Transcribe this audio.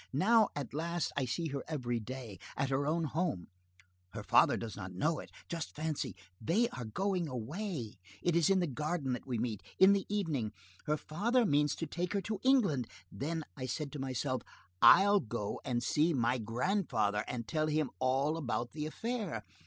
Now, at last, I see her every day, at her own home, her father does not know it, just fancy, they are going away, it is in the garden that we meet, in the evening, her father means to take her to England, then I said to myself: 'I'll go and see my grandfather and tell him all about the affair.